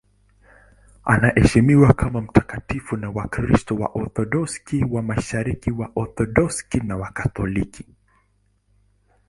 Anaheshimiwa kama mtakatifu na Wakristo Waorthodoksi wa Mashariki, Waorthodoksi na Wakatoliki.